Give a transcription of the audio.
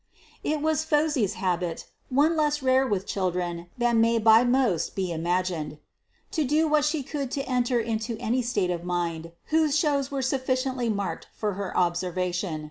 It was Phosy's habit one less rare with children than may by most be imagined to do what she could to enter into any state of mind whose shows were sufficiently marked for her observation.